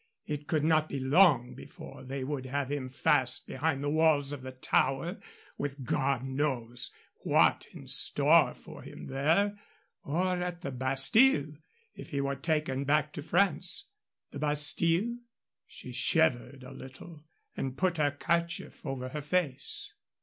It could not be long before they would have him fast behind the walls of the Tower, with God knows what in store for him there, or at the Bastile if he were taken back to France. The Bastile? She shivered a little and put her kerchief over her face.